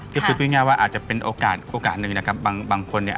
คือคือพรุ่งงานว่าอาจจะเป็นโอกาสหนึ่งนะครับ